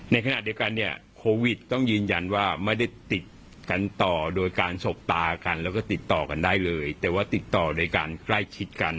ในขณะเดียวกันเนี่ยโควิดต้องยืนยันว่าไม่ได้ติดกันต่อโดยการสบตากันแล้วก็ติดต่อกันได้เลยแต่ว่าติดต่อโดยการใกล้ชิดกัน